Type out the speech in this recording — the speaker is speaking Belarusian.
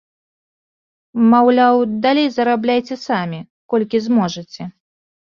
Маўляў, далей зарабляйце самі, колькі зможаце.